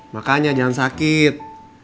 makanya jangan sakit